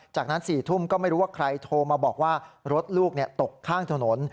จากนั้น๔ทุ่มก็ไม่รู้ว่าใครโทรมาบอกว่ารถลูกตกข้างถนน